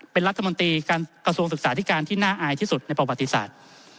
เป็นรัฐมนตรีกระทรวงศึกษาธิการที่น่าอายที่สุดในประวัติศาสตร์